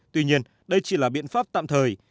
tuy nhiên đây chỉ là biện pháp tạm thời